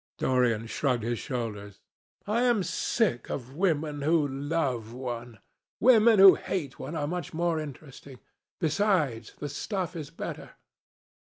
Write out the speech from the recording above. Dorian shrugged his shoulders. "I am sick of women who love one. Women who hate one are much more interesting. Besides, the stuff is better."